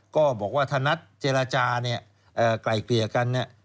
ก็บอกว่าถ้านัดเจรจาเนี่ยไกล่เกลี่ยกันเนี่ย